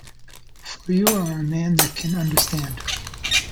For you are a man that can understand.